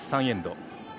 ３エンド。